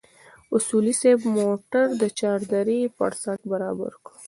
اصولي صیب موټر د چار درې پر سړک برابر کړ.